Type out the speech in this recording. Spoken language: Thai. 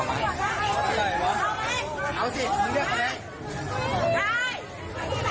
ลักษณะเหมือนคนเบาแล้วเซลมเห็นไหมคะเสื้อเหลือเหลือ